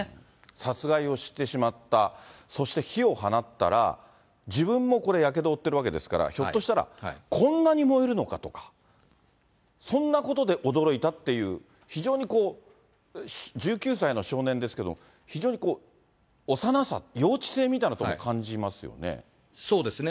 殺害をしてしまった、そして火を放ったら、自分もこれ、やけどを負ってるわけですから、ひょっとしたらこんなに燃えるのかとか、そんなことで驚いたっていう、非常に１９歳の少年ですけど、非常に幼さ、幼稚性みたいなこと、そうですね。